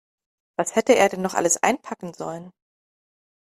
Was hätte er denn noch alles einpacken sollen?